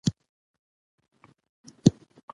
چېرته د پسه خپله ساه، چېرته د قصاب پوکل؟